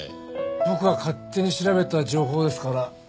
僕が勝手に調べた情報ですから。